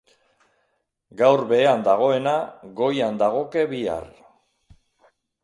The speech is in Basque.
Gaur behean dagoena goian dagoke bihar.